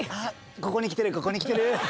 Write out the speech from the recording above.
ここにきてるここにきてる！